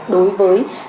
đối với công an nhân dân